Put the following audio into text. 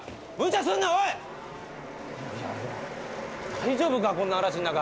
大丈夫か？